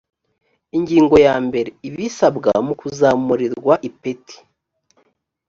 ingingo ya mbere ibisabwa mu kuzamurirwa ipeti